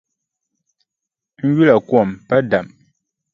N yula kom pa dam.